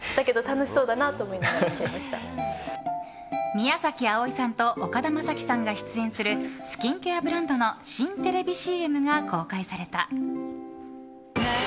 宮崎あおいさんと岡田将生さんが出演するスキンケアブランドの新テレビＣＭが公開された。